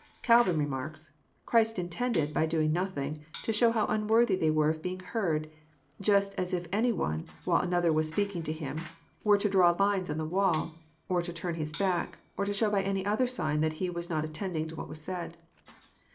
•a' Calvin remarks :" Christ intended, by doing nothing, to show how unworthy they were of being heard; just as if any one, while another was speaking to him, were to draw lines on the wall, or to turn his back, or to show by any other sign, that he was not attending to what was said."